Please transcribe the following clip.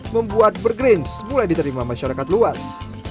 membuat burgerins mulai diterima masyarakat luas